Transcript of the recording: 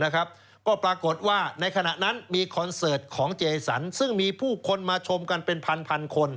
ก็ปรากฏว่าในขณะนั้นมีคอนเสิร์ตของเจสันซึ่งมีผู้คนมาชมกันเป็นพันคน